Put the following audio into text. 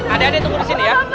ada ada yang tunggu di sini ya